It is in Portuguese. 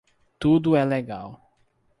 Tudo é legal